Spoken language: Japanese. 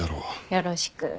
よろしく。